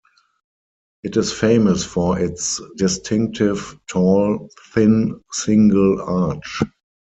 It is famous for its distinctive tall thin single arch.